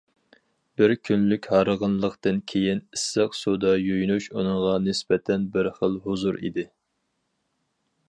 بىر كۈنلۈك ھارغىنلىقتىن كېيىن، ئىسسىق سۇدا يۇيۇنۇش ئۇنىڭغا نىسبەتەن بىر خىل ھۇزۇر ئىدى.